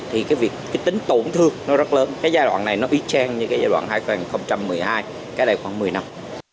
thì cái việc tính tổn thương nó rất lớn cái giai đoạn này nó y chang như cái giai đoạn hai nghìn một mươi hai cái này khoảng một mươi năm